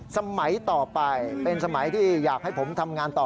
สมัยต่อไปเป็นสมัยที่อยากให้ผมทำงานต่อ